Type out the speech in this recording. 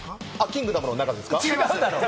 『キングダム』の中でですか？